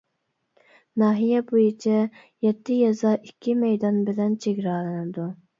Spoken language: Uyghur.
ناھىيە بويىچە يەتتە يېزا، ئىككى مەيدان بىلەن چېگرالىنىدۇ.